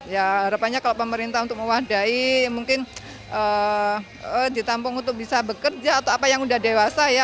ya harapannya kalau pemerintah untuk mewadai mungkin ditampung untuk bisa bekerja atau apa yang udah dewasa ya